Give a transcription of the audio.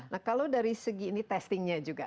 nah kalau dari segi ini testingnya juga